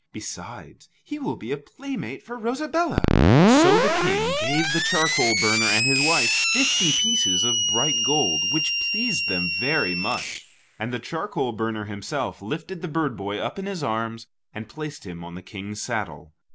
Besides, he will be a playmate for Rosabella." So the King gave the charcoal burner and his wife fifty pieces of bright gold, which pleased them very much, and the charcoal burner himself lifted the bird boy up in his arms, and placed him on the King's saddle.